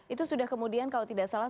itu sudah kemudian kalau tidak salah